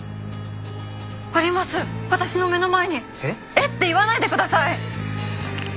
「えっ？」って言わないでください。